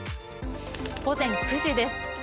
午前９時です。